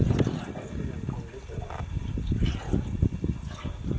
สวัสดีครับ